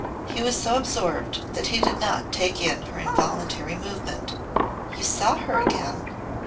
He was so absorbed that he did not take in her involuntary movement. "You saw her again!